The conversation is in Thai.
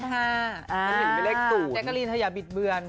แจ๊กรีนถ้าอย่าบิดเบือน